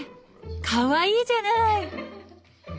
かわいいじゃない！